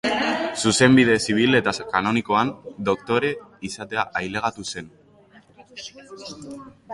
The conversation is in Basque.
Zuzenbide zibil eta kanonikoan doktore izatera ailegatu zen.